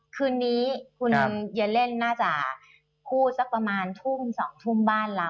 คืนนี้คุณเยเลนน่าจะคู่สักประมาณทุ่ม๒ทุ่มบ้านเรา